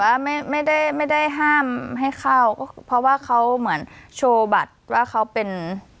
ว่าไม่ไม่ได้ไม่ได้ห้ามให้เข้าเพราะว่าเขาเหมือนโชว์บัตรว่าเขาเป็น